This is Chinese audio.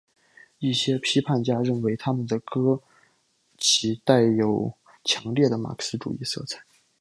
一些批评家认为他们的歌其带有强烈的马克思主义色彩。